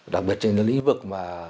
đặc biệt trên những lĩnh vực